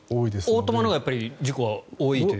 オートマのほうが事故は多いという。